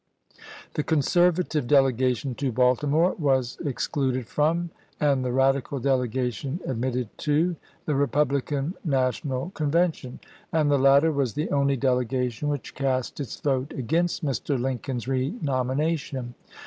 The Conservative delegation to Balti more was excluded from, and the Radical dele gation admitted to, the Republican National Con vention; and the latter was the only delegation which cast its vote against Mr. Lincoln's renomina tion.